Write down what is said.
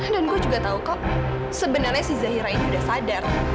dan gue juga tahu kok sebenarnya si zahira ini udah sadar